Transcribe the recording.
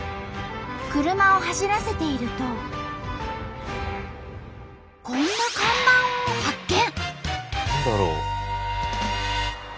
車を走らせているとこんな看板を発見！